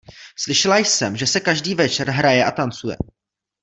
Slyšela jsem, že se každý večer hraje a tancuje.